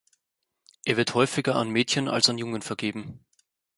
Er wird häufiger an Mädchen als an Jungen vergeben.